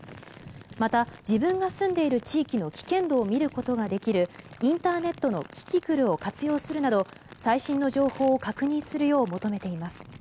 また、自分が住んでいる地域の危険度を見ることができるインターネットのキキクルを活用するなど最新の情報を確認するよう求めています。